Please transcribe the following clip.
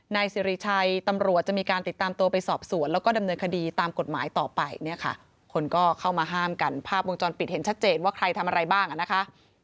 นายสิริชัยตำรวจจะมีการติดตามตัวไปสอบสวนแล้วก็ดำเนินคดีตามกฎหมายต่อไปเนี่ยค่ะคนก็เข้ามาห้ามกันภาพวงจรปิดเห็นชัดเจนว่าใครทำอะไรบ้างอ่ะนะคะ